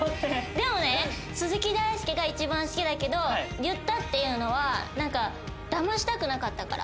でもね鈴木大介が一番好きだけど言ったっていうのはなんかだましたくなかったから。